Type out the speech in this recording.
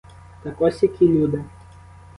Так ось які люди?!